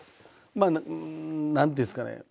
まあ何ていうんですかね